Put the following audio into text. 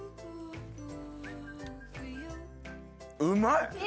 うまい！